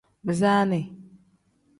Bisaani.